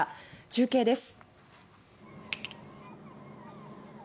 中継です。